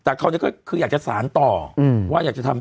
แต่คราวนี้ก็คืออยากจะสารต่อว่าอยากจะทำ